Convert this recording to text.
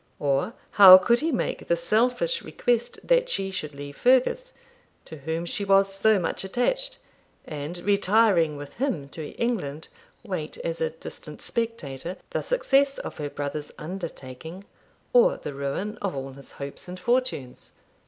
Or how could he make the selfish request that she should leave Fergus, to whom she was so much attached, and, retiring with him to England, wait, as a distant spectator, the success of her brother's undertaking, or the ruin of all his hopes and fortunes?